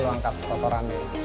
lo angkat kotorannya